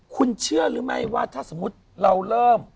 คุณเชื่อหรือไม่ว่าถ้าสมมุติเราเริ่ม